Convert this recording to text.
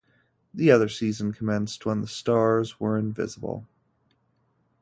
The other season commenced when the stars were invisible.